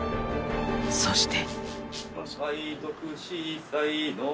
そして。